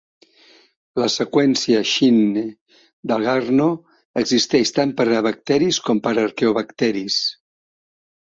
La seqüència Shine-Dalgarno existeix tant per a bacteris com per a arqueobacteris.